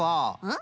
ん？